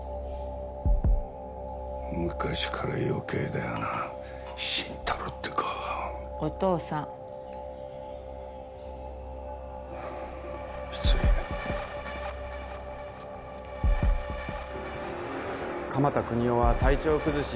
昔から余計だよな心太朗って子お父さん失礼・鎌田國士は体調を崩し